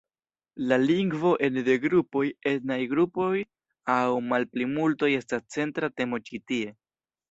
La lingvo ene de grupoj, etnaj grupoj aŭ malplimultoj estas centra temo ĉi tie.